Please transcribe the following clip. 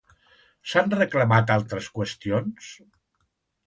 S'han reclamat altres qüestions?